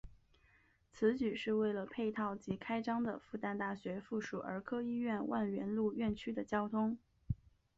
此举是为了配套即将开张的复旦大学附属儿科医院万源路院区的交通。